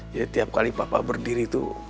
jadi tiap kali papa berdiri itu